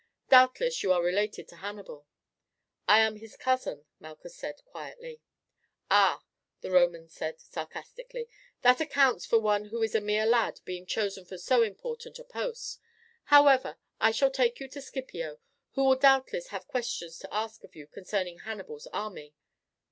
Doubtless you are related to Hannibal." "I am his cousin," Malchus said quietly. "Ah!" the Roman said sarcastically, "that accounts for one who is a mere lad being chosen for so important a post. However, I shall take you to Scipio, who will doubtless have questions to ask of you concerning Hannibal's army."